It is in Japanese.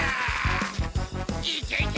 いけいけ！